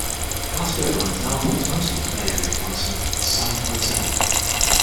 Alaska Airlines now operates most of its Bay Area flights from San Jose.